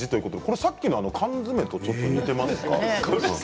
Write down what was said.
さっきの缶詰と似ていますね。